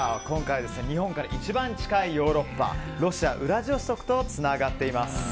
今回は日本から一番近いヨーロッパロシア・ウラジオストクとつながっています。